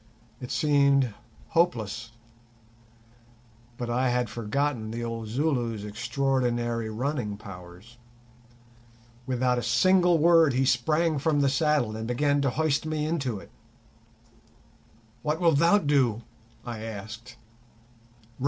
It seemed hopeless, but I had forgotten the old Zulu's extraordinary running powers. Without a single word he sprang from the saddle and began to hoist me into it. "What wilt thou do?" I asked.